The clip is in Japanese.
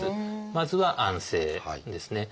まずは「安静」ですね。